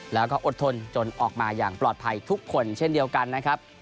แล้วก็อดทนจนออกมาอย่างปลอดภัยทุกคนเช่นเดียวกันนะครับ